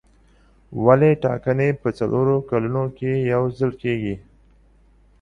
ولې ټاکنې په څلورو کلونو کې یو ځل کېږي.